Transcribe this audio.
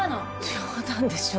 冗談でしょ